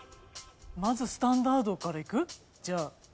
まずスタンダードからいく？じゃあ。